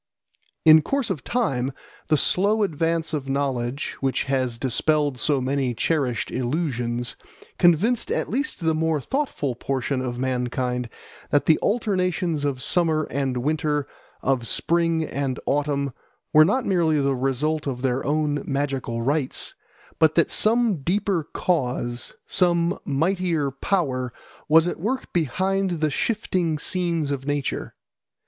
In course of time the slow advance of knowledge, which has dispelled so many cherished illusions, convinced at least the more thoughtful portion of mankind that the alternations of summer and winter, of spring and autumn, were not merely the result of their own magical rites, but that some deeper cause, some mightier power, was at work behind the shifting scenes of nature.